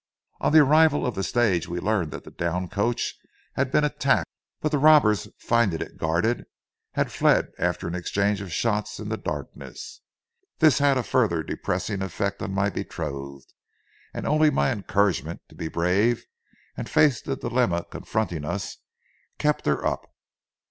On the arrival of the stage, we learned that the down coach had been attacked, but the robbers, finding it guarded, had fled after an exchange of shots in the darkness. This had a further depressing effect on my betrothed, and only my encouragement to be brave and face the dilemma confronting us kept her up.